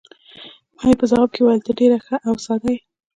ما یې په ځواب کې وویل: ته ډېره ښه او ساده یې.